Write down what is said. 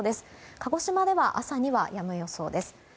鹿児島では朝にはやむ予想です。